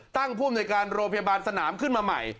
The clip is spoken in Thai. ผู้อำนวยการโรงพยาบาลสนามขึ้นมาใหม่